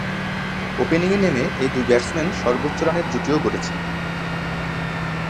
ওপেনিংয়ে নেমে এই দুই ব্যাটসম্যান সর্বোচ্চ রানের জুটিও গড়েছেন।